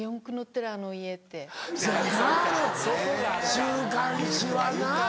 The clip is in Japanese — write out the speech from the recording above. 週刊誌はな。